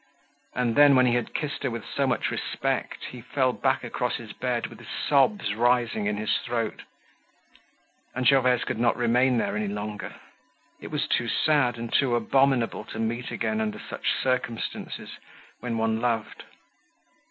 And then, when he had kissed her with so much respect, he fell back across his bed with sobs rising in his throat. And Gervaise could not remain there any longer. It was too sad and too abominable to meet again under such circumstances when one loved.